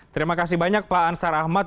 terima kasih banyak pak ansar ahmad